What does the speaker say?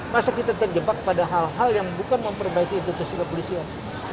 masa kita terjebak pada hal hal yang bukan memperbaiki institusi kepolisian